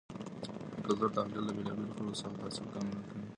د کلتور تحلیل له بیلابیلو خلګو څخه تعصب کمرنګوي.